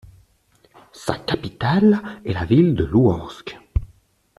Sa capitale est la ville de Louhansk.